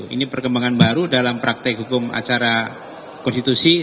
ini perkembangan baru dalam praktek hukum acara konstitusi